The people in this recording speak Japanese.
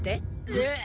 えっ！